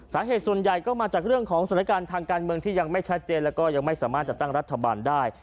สาเหตุส่วนใหญ่ก็มาจากเรื่องของสถานการณ์ทางการเมืองที่ยังไม่ชัดเจนแล้วก็ยังไม่สามารถจัดตั้งรัฐบาลได้